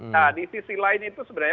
nah di sisi lain itu sebenarnya